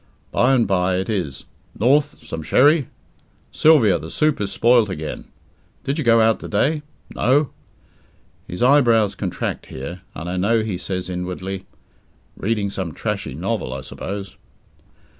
By and by it is, "North, some sherry? Sylvia, the soup is spoilt again. Did you go out to day? No?" His eyebrows contract here, and I know he says inwardly, "Reading some trashy novel, I suppose."